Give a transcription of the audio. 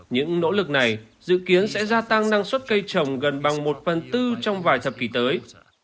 những nỗ lực này dự kiến sẽ gia tăng năng suất cây trồng gần bằng một phần tư trong vài thập kỷ tới